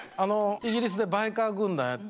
イギリスでバイカー軍団。